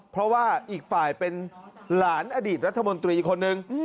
เพราะว่าอีกฝ่ายเป็นหลานอดีตรัฐมนตรีคนหนึ่ง